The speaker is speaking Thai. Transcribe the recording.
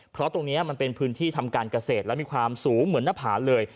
เพราะตรงนี้มันเป็นพื้นที่ทำการเกษตรและมีความสูงเหมือนหน้าผาเลย